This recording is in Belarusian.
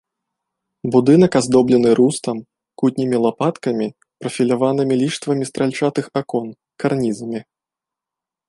Будынак аздоблены рустам, кутнімі лапаткамі, прафіляванымі ліштвамі стральчатых акон, карнізамі.